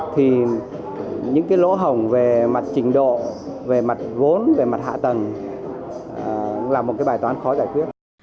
thì những cái lỗ hổng về mặt trình độ về mặt vốn về mặt hạ tầng là một cái bài toán khó giải quyết